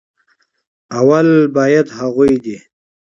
اول بايد هغوي دې